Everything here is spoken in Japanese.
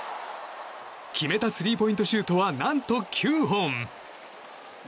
決めたスリーポイントシュートは何と９本。